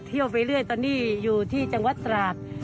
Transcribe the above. ไปเรื่อยตอนนี้อยู่ที่จังหวัดตราด